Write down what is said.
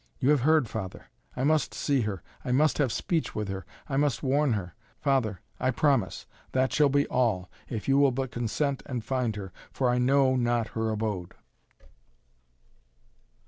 You have heard, Father. I must see her! I must have speech with her. I must warn her. Father I promise that shall be all if you will but consent and find her for I know not her abode."